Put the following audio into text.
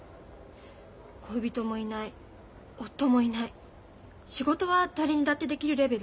恋人もいない夫もいない仕事は誰にだってできるレベル。